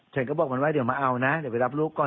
ฉันก็บอกมันว่าเดี๋ยวมาเอานะเดี๋ยวไปรับลูกก่อน